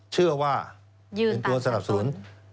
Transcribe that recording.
เชื่อว่าเป็นตัวสนับสนุน